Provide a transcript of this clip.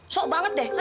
sok banget deh